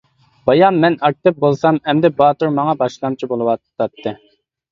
بايام مەن ئاكتىپ بولسام، ئەمدى باتۇر ماڭا باشلامچى بولۇۋاتاتتى.